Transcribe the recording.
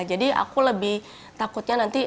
jadi aku lebih takutnya nanti